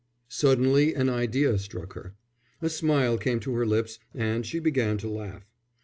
Suddenly an idea struck her. A smile came to her lips and she began to laugh.